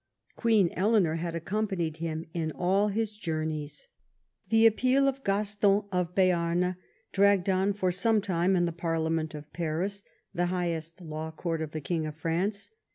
Queen Eleanor had accompanied him in all his journeys. The appeal of Gaston of Beam dragged on for some time in the Parliament of Paris, the highest law coTU t of the King of France.